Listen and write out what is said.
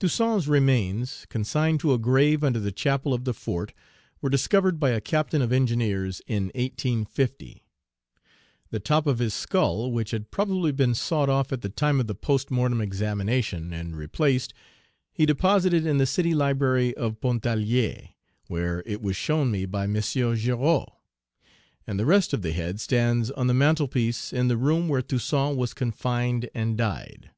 Toussaint's remains, consigned to a grave under the chapel of the fort, were discovered by a captain of engineers in 1850. The top of his skull, which had probably been sawed off at the time of the post mortem examination, and replaced, he deposited in the city library of Pontarlier, where it was shown me by M. Girod, and the rest of the head stands on the mantelpiece in the room where Toussaint was confined and died.